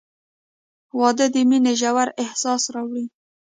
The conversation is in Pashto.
• واده د مینې ژور احساس راوړي.